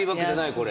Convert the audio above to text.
これ。